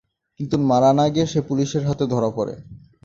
কিন্তু মারা না গিয়ে সে পুলিশের হাতে ধরা পড়ে।